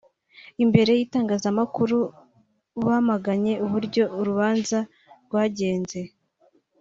imbere y’itangazamakuru bamaganye uburyo urubanza rwagenze